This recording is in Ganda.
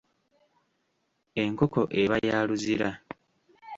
Enkoko eba ya luzira.